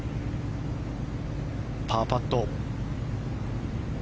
パーパット。